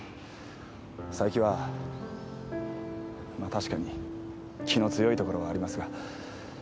佐伯はまあ確かに気の強いところはありますが。